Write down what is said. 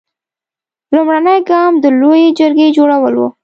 لومړنی ګام د لویې جرګې جوړول و.